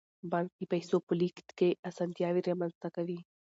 بانک د پیسو په لیږد کې اسانتیاوې رامنځته کوي.